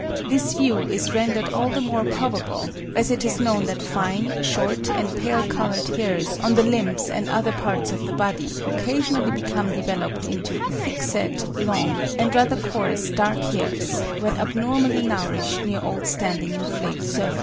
This view is rendered all the more probable, as it is known that fine, short, and pale coloured hairs on the limbs and other parts of the body, occasionally become developed into "thickset, long, and rather coarse dark hairs," when abnormally nourished near old standing inflamed surfaces.